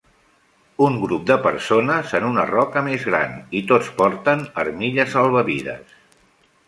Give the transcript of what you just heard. Un grup de persones en una roca més gran i tots porten armilla salvavides.